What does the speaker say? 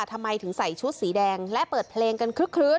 ทำไมถึงใส่ชุดสีแดงและเปิดเพลงกันคลึก